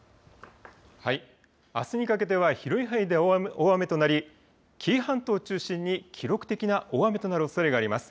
あすにかけては広い範囲で大雨となり、紀伊半島を中心に記録的な大雨となるおそれがあります。